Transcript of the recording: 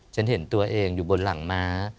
ฉันเห็นตัวเองอยู่บนหลังม้า